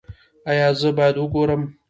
ایا زه باید وګورم؟